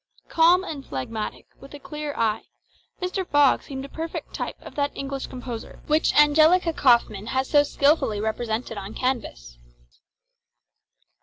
Calm and phlegmatic, with a clear eye, Mr. Fogg seemed a perfect type of that English composure which Angelica Kauffmann has so skilfully represented on canvas.